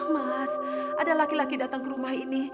mas ada laki laki datang ke rumah ini